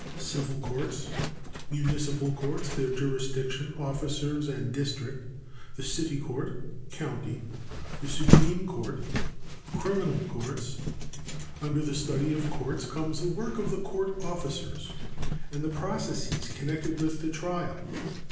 1. Civil Courts. A. Municipal Courts. Their jurisdiction, officers and district. B. The City Court (county). C. The Supreme Court. 2. Criminal Courts. Under the study of courts comes the work of the court officers and the processes connected with the trial.